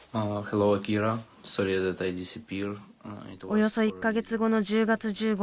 およそ１か月後の１０月１５日